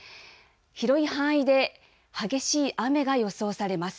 広い範囲で激しい雨が予想されます。